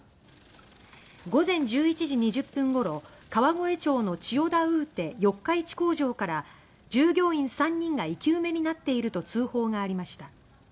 午前１１時２０分ごろ川越町の「チヨダウーテ」四日市工場から「従業員３人が生き埋めになっている」と通報がありました。